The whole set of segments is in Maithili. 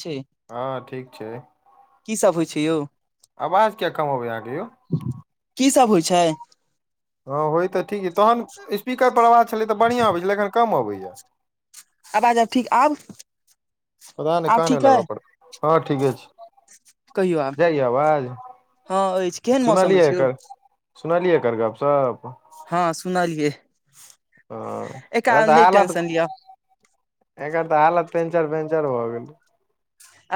छैय। हँ ठीक छै। की सब होइ छै यौ। आवाज किया कमअबैया अहाँके यौ कि सब होइ छाय हँ होइ तऽ ठीक छैइ तहन स्पीकर पर आवाज छलै तऽ बढ़िआँ अबै छलै ऐखन कम अबैया। आवाज आब ठीक आब। पता नै आब काँन मे ठीक अइ लगब पड़तै हँ ठीके छै। कहियौ आब जाईया अवाज हँ अछि केहन मौसम सुनलियै अछि यौ एकर। सुनलियै एकर गप सप। हँ सुनलियै। हँ एक एकर तऽ नहि हालत टेंशन लिअ एकर तऽ हालत पेंचर पेचर भ गेलै।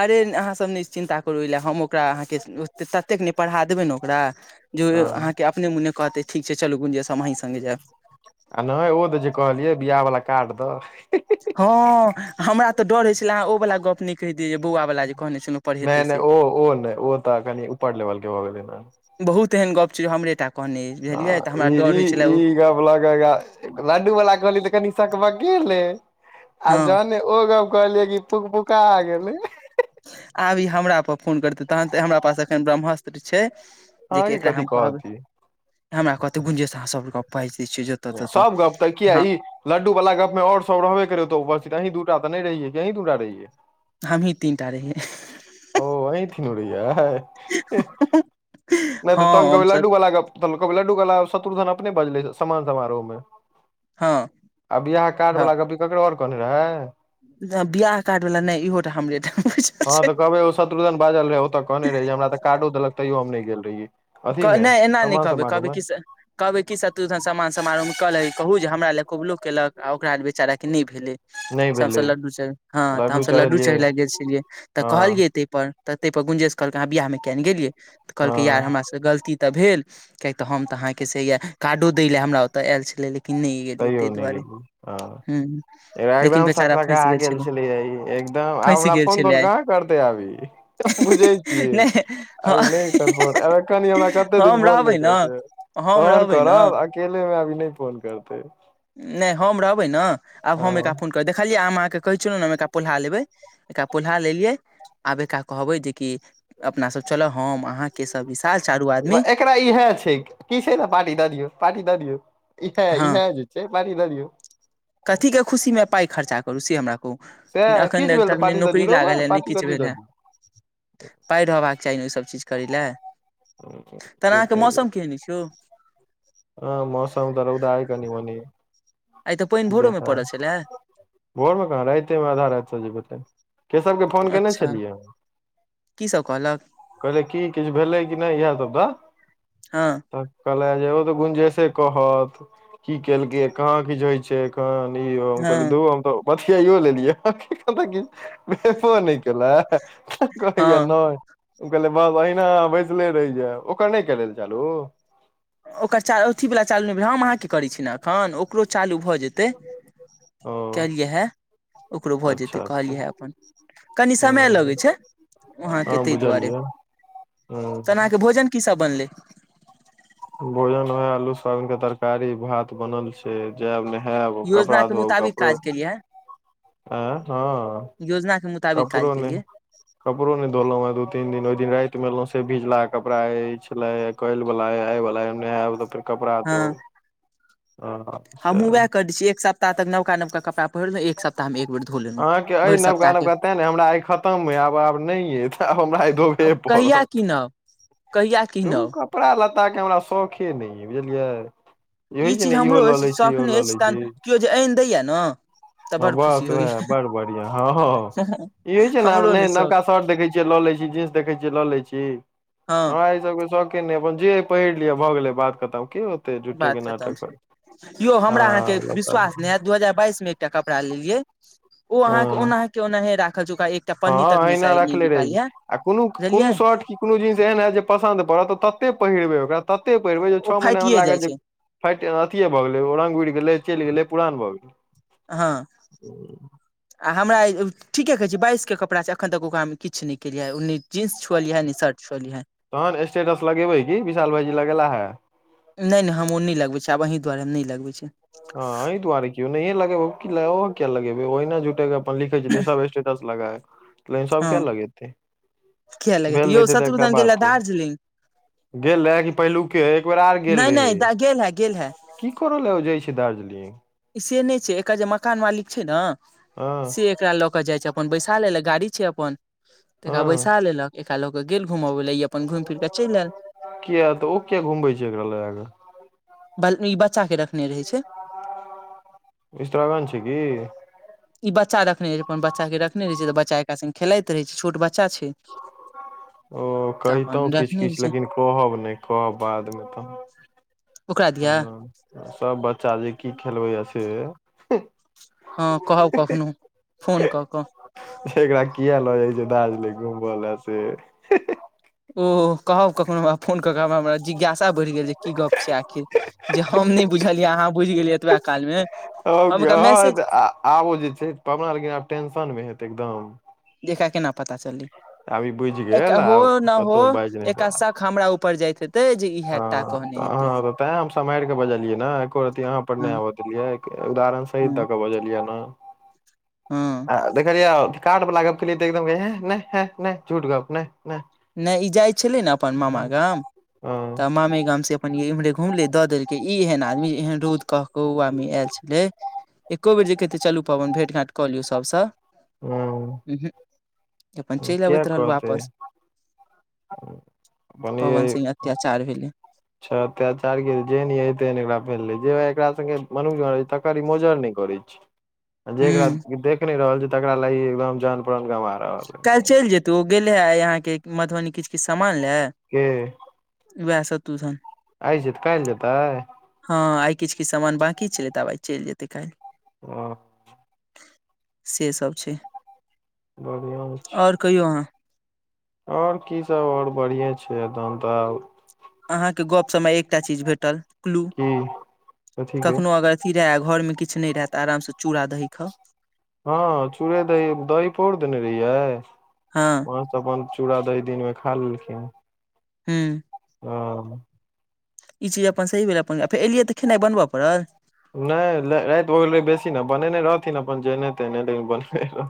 अरे अहाँसब नै चिन्ता करू एहि लए हम ओकरा अहाँके ततेक नै पढ़ा देबै ने ओकरा। जे ओ ई हँ अहाँके अपने मोने कहतै ठीक छै चलू गुंजेशस हम अही संगे जायब। आ नई ओ दऽ जे कहलियै बियाह वाला कार्ड दऽ। हँ हमरा तऽ डर होइ छलै ओ। वला गप नै कहि दियै जे बौआ वला जे कहने छलौं पढ़ेतै से। उपर लेवलके भऽ गेलै न। बहुत एहन गप छै जे हमरेताक। हँ ई ई ईगब्ला। लड्डू वाला कहलीयै तऽ कनि सकबकेलै आ हँ जहने ओ गप। कहलियै कि फुक फुका गेलैय। आब ई हमराप फोन करतै तहन त हमरा पास एखन ब्रह्मस्त्र छै। जेकि अहाँके एकरा कथी हम कहबै कहती हमरा कहतै गूंजे [unintelligible] सब गप तऽ किया ई। लड्डू वाला गप मे आओर सब रहबे करै ओत अी दूटा तऽ नै रहियै कि अीही दूटा रहिये। हमहि तीन टा रहीयै है। ओ अहि तिनु रहियैया नै तऽ हँ तंग कहबै हमसब लड्डू वला गप। त कभ लडू कला शत्रु धन अपने बजले समान समारोहमे। हँ [inaudible] आ बियाह कार्ड हँ वला गप ककरो और कहने रहै। [inaudible] बियाह कार्ड वाला नहि इहोटा हमरे टा बुझल हँ छै तऽ कहवै ओ शत्रुधन बाजल रहै ओ तऽ कहने रहै हमरा तऽ काडो देलक तयौ हम नै गेल रहिये। कह नै एना नै कहबै कहबै की से कहबै की शत्रुघ्न से समान समारोह में कहले रहे कहू जे हमरा ले कबूलो केलक आ ओकरा बेचारा केँ नै भेलै। नहि सब स भेलै लड्डू चढ़ हाँ तऽ हम सब लड्डू चढ़ेय लए गेल छलियै तऽ हँ कहलियै तेपर तऽ तैय पर गुंजेश कहलक अहाँ वियाह में किया नै। गेलियै कहलकै यार हँ हमरा स‌। तऽ गलती तऽ भेल किएकि तऽ हम तऽ अहाँकेँ से कार्डो दै लए हमरा ओतऽ आयल छलै लेकिन। नहि गेलियै तैयो ताहि नै दुआरे गेली ह हऽ लेकिन एकदम बेचारा सकसका फँसि गेल छलै छलैय ई। एकदम आब फँसि हमरा गेल फोन छलै तोन आइ कहाँ करतै अब ई हम बुझै छियै। नहि हँ अब ई नै कर फोन आब ए कनि हमरा कते दिन हम फोन नै रहबै ने करते हम तहन रहबै करब अकेले में अभी नै फोन कर नै हम रहबै न आब हम एकरा हँ फोन कऽ देखलियै आम अहाँकेँ कहै छनै न हम एकरा पोलहालेबै एकरा पोलहा लेलियै। आब एकरा कहबै जेकि अपना सब चलब हम अहाँ केशव विशाल चारू आदमी। पा ईहे छै की छै ने पानी दए दियौ पानी दय दियऔ इहाए इहाए जे छै पानी दए दियौ। कथी कऽ खुशी में पाइ खर्चा करू से हमरा कहूँ सएह अखन किछु भेल तऽ कत नै पार्टी दऽ नौकरी दियौ रौ बा लागल ए नै पार्टी किछ कथी भेल दऽ है। पाइ रहबाक चाही न ई सब चीज करय लेल दियौ [inaudible] तहन अहाँकेँ झूठे के मौसम केहन ऐछ यै हँ मौसम कऽ रौदा ए कनि मनी। आय तऽ पैन भोरो में पड़ल छलै। भोर में कहाँ रातै में अधा राइत से जे भेलै केशव केँ फोन कयने अच्छा छलियै [inaudible] की सब कहलक कहलिये की किछ भेलै कि नै इहै सब दऽ हँ कहला जे ओ तऽ गुंजसे कहत की केलकै कहाँ किछ होय छै। क नि ओ हँ [unintelligible] बतियायौ लेलियै [unintelligible] भेबै नै केला तऽ कहै हँ यऽ नै। उ कहैले बाह एहना अहाँ बैसले रैह जाएब ओकर नै केले रहे चालू। ओकर चा अथिवला चालू ने भेले हम अहाँ कऽ करै छी एखन ओकरो चालू भऽ जेतै। ओ [inaudible] कहिया ओकरो भऽ जेतै अच्छा अच्छा कहिया हऽ अपन। कनि समय हूँ लगै छै [inaudible] हँ वहाँकेँ तैय दुआरे। बुझलियै तहन अहाँके [unintelligible] भोजन की सब बनलै ‌। भोजन वैह आलू सोयाबिन कऽ तरकारी भात बनल छै। से जायब नहायब योजना कपड़ा के धोब मुताबिक कपड़ो काज केलियै है, आएं हऽ योजना के [inaudible] मुताबिक काज कपड़ो नै केलियै कपड़ो नै धोलौ है दू तीन दिन ओइ दिन रात में एलौ से भिजलाहा कपड़ा ई छलै है। काइल वला या आय वला या नहैव तऽ फेर कपड़ा धोअव [inaudible] हँ। हमू उहै सैह करै छी एक सप्ताह तक नवका नवका कपड़ा पहिरलु एक सप्ताह सप्ताह में एक बेर धो लेलौ भैर सप्ताह केँ तै नै हमरा आइ खत्म या आब आब नै ए आब हमरा आइ धोबे पड़त। कीनम। धूऽ कपड़ा लत्ता केँ हमरा शौखे नै या बुझलियै। होइ ई छै चीज ने इहो हमरो लऽ ऐछ लै छी शौख इहो नै लऽ ऐछ तहन केओ जे आइन दैऽ यऽ न। हाँ बस ओएह बड़ बढ़िया हाँ-हाँ। ई होइ छै न आब हमरो न ने शौक नवका शर्ट देखै छियै लऽ लै छी जींस देखै छियै लऽ लै छी। हँ हमरा ई सबके शौक नै यै अपन जे पहिर लिय भऽ गेलै बात खतम के ओ। बात खतम छै यौ हमरा अहाँके हँ लता विश्वास नै हायत दू हजार बाइस मे एकटा कपड़ा लेलियै उ अहाँ के ओनाही के ओनाही राखल छैय ओकरा एक हाँ अहिना रखले रहै छै आ कुनो -कुनो बुझलियै शर्ट की कुनो जींस एहन हयत जे पसन्द पड़त ततेक पहिरबै ओकरा ततेक पहिरबै जे ओ छह महीना अहां के फाटिए जाइ लागत छै जे फाट अथिए भऽ गेलै ओ रंग उड़ि गेलै चैल गेलै पुरान भऽ गेलै। अहां। आ हमरा आइ ठीके कहै छि बाइसके कपड़ा छै एखन तक ओकरामे हम किछ नै केलिया आय ओ नै जीन्स छुअलीहै ने शर्ट छुअलीय हँ। तहन स्टेटस लगेबै की विशाल भाईजी लगेला हए। नै नै हम ओ नै लगबै छी आब अहीँ दुआरे हम नै लगबै छीयै हँ अई दुआरे की ई ओनाहे किया लगेबै ओना हिये जुटे अपन लिखै छथीन सब स्टेटस लगा लेकीन सब हँ की लगेतै किया लगेतै भेल यौ रहितै तऽ एकटा शत्रुघ्न गेल हे बात ओ दार्जिलिंग गेल रहए कि पहिलुके एक बेर आर गेल नहि रहै नहि गेल हे गेल हे की कर लए ओ जाइ छै दार्जिलिंग से नै छै एकर जे मकान मालिक जे छै न से हँ एकरा लऽ क जाय छै अपन बैसा लेलक गाड़ी छै अपन त एकरा बैसा हँ लेलक एकरा लऽ कऽ गेल घुमबै लए ई अपन घुमि फिर कऽ चलि आयल किया तऽ ओ किया घुमबै छियै एकरा लगाक बल ई बच्चा के रखने रहै छै इस्त्रगण छै कि ई बच्चा रखने रहै छै अपनच्चा के रखने रहै छै तऽ बच्चा एका संगे खेलाइत रहै छै छोट बच्चा छै [inaudible] ओ तऽ कहितौं अपन किछ रखने रहै किछ छै लेकिन कहब नै कहब बादमे तहनऽ ओकरा दिया हँ सब बच्चा जे की खेलबैए से अई हँ कहब कखनो फोन कऽ कऽ एकरा किया लऽ जाइ छै दार्जलिंग घूमबै ला से ओ कहब कखनो हमरा फोन क क हमरा हम जिज्ञासा बढ़ि गेल जे की गप छै आखिर जे हम नै बुझलियै अहाँ बुझि गेलियै एतबा काल मे [unintelligible] हम आब एकरा मैसेज ओ जे छै पबन लेकिन आब टेंशनमे हेतै एकदम देखऽ केना पता चललै आब ई बुझि एक गेल हो आब न हो कतहु बाजि नहि दै एका शक हमरा ऊपर जाइत हेतै हँ इहे टा त कहने हेतै अहाँ तैं हम सम्हारि कऽ बजलियै न एको रति अहाँ पर नै हँ आबऽ देलियै उदाहरण सही हँ दऽ कऽ बजलिया न [inaudible] हँ आ देखलियै काड वला गप केलियै तऽ एकदम ह नै ह नै झूठ गप नै नै नै ई जाइ छलै ने अपन मामा गाम हँ तऽ मामे गाम से पन इमहरे घुमलै दऽ देलकै इ एहन आदमी एहन रौद कह कह कौआ मे आयल छलै एक्को बजे कै तैऽ चलू पवन भेट घाँट कऽ लियौ सबसँ उहूक अपन हँ चलि अबैत रहल वापस बनियै पवन सिंह अत्याचार भेलै अच्छा अत्यचार के जेेहन एकरा भेलै एकराे मनु्य त ई मजर नै करै छै [unintelligible] जेकरा हूँ देख नहि रहल छी तकरा ली एकदम जान परान गवार काल्हि चलि जेतू ओ गेले हे यहाँके मधुबनी किछु किछु सामान ले के वएह शत्रुघ्न आइ जेतै काल्ल जेतै हँ आइ किछु किछु समान बाँंकी छलै त आब आइ चलि जेतै काल्हि ओ से सब छै बढ़िया आओर कहियौ अहाँ आऔर की सब आऔर बढ़िए छै ए तन तऽ अहाँके गप समय एकटा चीज भेटल क्लू की कथी के कखनो अगर किराया घर मे किछु नहि रहत आराम से चूड़ा दही खाउ हँ चूड़े दही दही पौड़ देने रहियै। हँ अपन चूड़ा दही दिन में खा लेलखिन ह। हूँ। ह ई चीज अपन सही भेल अपन फेर एलियै तऽ खेनाइ बनबऽ परल नहि राति भगैल बेसी ने बनेने रहथिन अपन जेना लिन बनबे रहथिन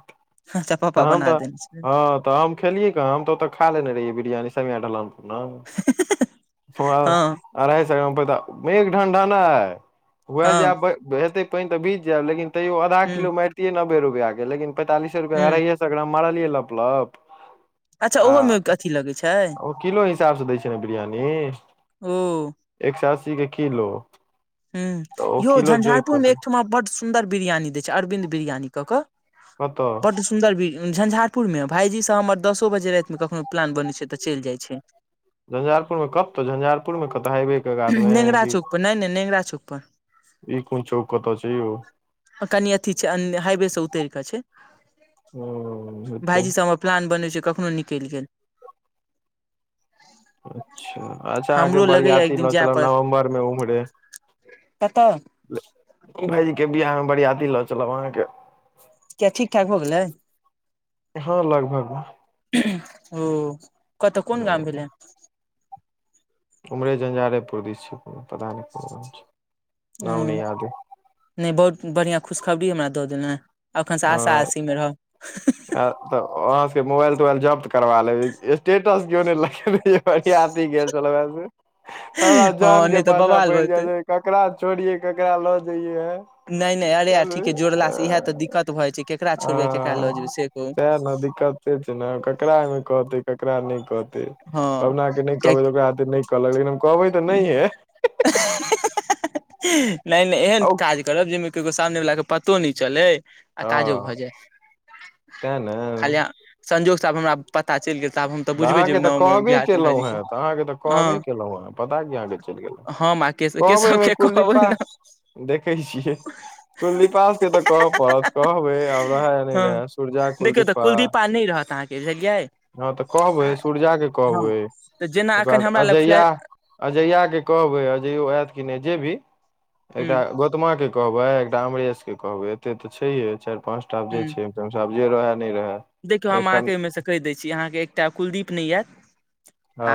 अच्छा पापा तहाम बना तऽ देने छै हँ ताम खेलियै कहा हम खा लेन रहियै बिरियानी कनीया के लक हँ अढ़ासे स ग्राममेघढण्ढायढणढाय हुए हँ आब हेतै पानि तऽभिज जायबलेकिन तैयो आधा हूँ किलो मारितिलियै नब्बे रुपआ के लेकिन पैंतालिस। हूँ फेरअढ़ाइ सए ग्राम मारलियै लपलप अच्छा आ। ओहोमे अथी लगै छै किलो हिसाबसँ दै छै ने बिरियानी। हुँ। एक सए अस्सी के किलो। हु तऽ ओ यौ किलो जोइक कऽ झंझारपुरमे दे। एक ठमा बड़ सुन्दर बिरियानी दै छै अरविन्द बिरियानी कऽ कऽ। कतऽ। बड़ सुन्दर झंझारपुरमे भाईजीसँ हमर दसो बजे रातिमे कखनो प्लान बनै छै तऽ चलि जाइ छै। झंझारपुरमे तऽ झंझारपुरमे कतऽ हबे नेंगरा केकातमे चौक पर नहि नहि नेंगरा चौक पर ई कोन चौक तऽ छै। कनियाथि छै हाइवे स उतरिका के छै। ह ओत। भाईजी से हमर प्लान बनै छै कखनो निकलि गेल। अच्छा अच्छा अहाँके हमरो लगैया बरियात एक दिन ल जाय चल ब पड़त नवम्बरमे उम्हरे। कतऽ भाईजीके बियाहमे बरियाती लऽ चलब अहाँके। किया ठीक ठाक भ गेलै। हँ लगभग। हु कतऽ कोन गाँव ह भेलै। उमरे झंझारपुर दी छै पता नहि हु नाम नहि याद नहि बहुत बढ़ियां खुशखबरी हमरा दऽ देला एखनसँ आशा आशीमे रह त अहााँ सब के मोबाइल तोबाइल जब्त करबा लेबै स्टेटसजोरै लगेयलै बरियाति गेल छलौ मेसेज हँ हमराजान के नहि तऽ पाछा बवाल भऽ पैड़ जेतै जायत ककरा छोड़ियै ककरा लऽ जइयए। नहि नहि अरे अथि के जोड़लासँ इह तऽ दिक्कत भ जाइ छै केकरा छोड़बै केकरा लऽ जेयबै से कहू। न न दिक्कते छै ने ककरा एहिमे कहते ककरा नहि कहते हँ पवना के नहि कहबै कियाकि तऽ ओकरा नहि कहलक लेकिन हम कहबै तऽ नहि होये। नय नय एहन काज। जेमे केगो सामने वला के पतो न चलै। आ काजो हँ भऽ जाय तें खालि ने संजोगसँ आब हमरा पता चलि गेल तऽ आब हम। तऽ बुझबे बात मे जेबै तऽ नवम्बर कहबे बियाह चंद्र केलहुँ भाईजी हे के तऽ अहाँके तऽ कहबे हँ कयेलहुँ हेँ। पता की अहाँके चल गेलहु हम आ केशव कहबै केशव एहिमे के कहबै कुलदीपा ने देखै छियै। कुलदीपास के तऽ कहऽ पड़त कहबै आब रहे या नहि रहे सुरजा कुलदीपा। नय रहत अहाँ [unintelligible] हँ तऽ कहबै सूरजा के कहबै तऽ जेना ओकर एखन बाद हमरा लग फ्लै अजया। अजयया के कहबै अजयो आयत कि नय जे भी हूँ एकटा गोतम। गौतमा के कहबै एकटा अमरेश के कहबे एते ते छैये चार पाच टा आब जे हूँ छै। [unintelligible] जे रहेै न रहे। देखियौ हम अहाँकेँ ओहिमेसँ कहि दै छी अहाँकेँ एकटा कुलदीप नहि अयत।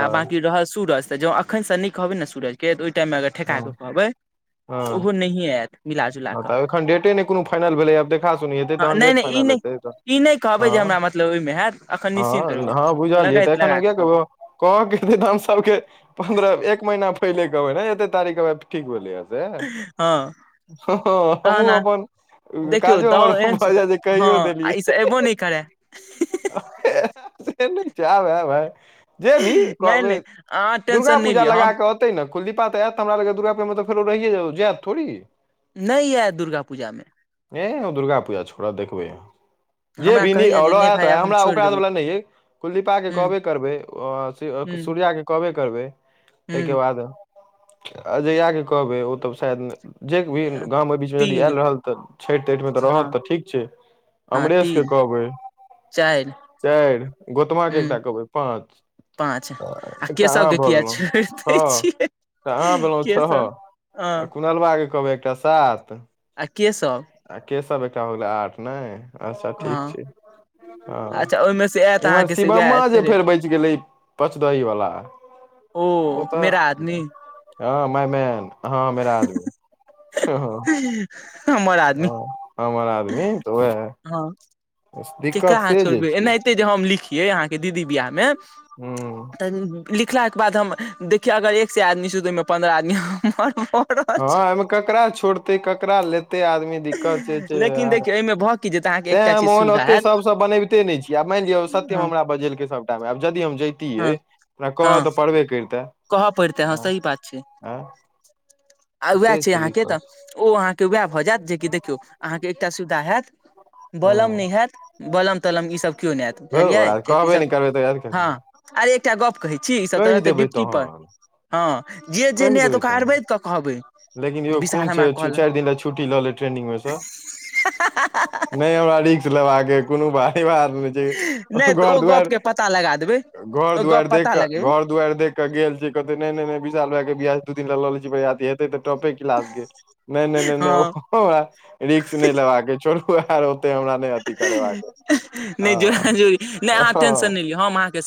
आ बकी रह सूरज त ज अखन से नय कहबे ने सूरज कि तऽ ओहि टाइममे अगर हँ ठेकाा कऽ कहबै हँ तऽ ओहो नहिए एत हँ तऽब एखन डेटे नहि कोनो फाइनल भेलै आब देखा सुनी हेतै हँ तख नहि डेट नहि ई फाइनल नहि हेतै तऽ ई नहि कहबै जे हँ हमरा मतलब ओहिमे हैत एखन निश्चिन्त रहू हँ हँ बुझलियै तऽ लगाइत तखन लगा हम कऽ किये कहबै कहबो क के बिधानसभा के पन्द्रह एक महिना पहले कहबे ने एते तारीक के ठीक भेले ईहा से हँ। ह ह हमहुँ तहन अहाँ अपन देखियौ काजो हमर दाउ एहन भ सुत जा छै हँ कहियो आ देलियै ई सब एबो नहि करै से नहि च भाय जे भी नहि कहबै नहि अहाँ दुर्गा टेंशन नहि पूजा लिअ लगा हम क ते न कुलदीपा ते एत हमरालगे दुर्गा पूजा मे तऽ फेर रहिय जात जैत थोड़ी नइ ऐत दुर्गा पूजा मे ए दुर्गा पूजा छोड़ा देखबै हमरा कहैया [unintelligible] या जे नहि भाय आब हम छोड़ि देबौ के हूँ हूँ कहबे करबै तइ के हूँ बाद अजया के कहबै ओ तऽ शायद जे भी गाम एहि बीचमे यदि तीन आयल रहल तऽ छठि तठि मे तऽ रहत हँ तऽ ठीक छै हँ अमरेश के तीन कहबै चारि चारि गोतमा हूँ एकटा कहबै पाँच पाँच आ एकटा केशव अहाँ के भऽ किए गेलहुँ छोड़ि दै छओ छियै केशव आ बोलबा कहबै एकटा सात आ के सब आ केसव एकटा हो गेलै आर्ठ नय अच्छा ठीक हँ छै हँ अच्छा ओहिमे से आयत इम्हर अहाँके से शिवममा जे उएह फेर च गेलै पाँच दही वालला ओ तऽ मेरा आदमी [unintelligible] हमरा आदमी हमरा आदमी तऽ ओहै हँ केकरा अहाँ छोड़बै छै एनाहिते जे हम लिखियै अहाँकेँ दीदी बियाहमे ह तऽ लिखला कऽ बाद हम देखियौ अगर एक सै आदमी छी तऽ ओहिमे पन्द्रह आदमी हमर रहल हँ छै एहिमे ककरा छोड़तै ककरा लेतै आदमी दिक्कत से छै लेकिन यार देखियौ एहिमे भऽ की जेतै अहाँके तैँ एकटा हम चीज ओहन सुविधा ओतेक हैत सभसँ बनबिते नय छी आब माइन लिअ सत्यम हँ हमरा बजेलकै सभ आब यदि हम जैतियै हँ हमरा कहऽ हँ तऽ पड़बे करितै कहऽ पड़तै हँ सही बात छै आँ आ वैह से छै अहाँके तऽ दिक्कत ओ अहाँके वैह भऽ जायत जेकि देखियौ अहाँकेँ एकटा सुविधा हैत ह बलम नइ हैत बलम तलम ईसभ केओ नइ हैत धौ बुझलियै ओकरा क्याकि कहबे ईसभ नहि करबै तऽ याद कथी हँ आरे एकटा गप्प कहै छी ई सब तऽ कहि रहतै देबै डिप तहन हँ जे जे नइ कहि ऐत देबै ओकरा तहन अरबैध कऽ कहबै लेकिन जे यौ विशाल कोन छै हमरा दु कहलक चाइर दिन लऽ छुट्टी लऽ लै ट्रेंनिंग मऽ सँ [unintelligible] मतलब अहाँकेँ कोनो भारि बात नय छै नहि केनो तऽ घर ओ दुआइर गपके पता लगा देबै घर ओ गप दुआरि देख पता कऽ लगेबै घर दुआरि देख कऽ गेल छी कहते नय नय नय विशाल भैया केँ बियाह छिये दु दिन लऽ लै छी बरियाती हेतै तऽ टपे [unintelligible] नय नय नय नय हँ ओ हमरा रिक्स नय लेबाक य छोरू वे आर ओते हमरा नय अथि करेबाक नहि हँ जोड़ा जोड़ी नहि - अहाँ टेंशन नहि हँ हम लिअ अहाँके स